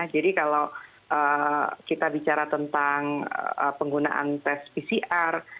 jadi kalau kita bicara tentang penggunaan tes pcr